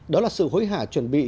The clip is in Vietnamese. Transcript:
đó là sự hối hả chuẩn bị